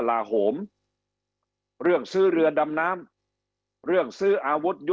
แต่ทำไมไปดูงบค่าใช้จ่ายบางส่วนยังน่าตกใจ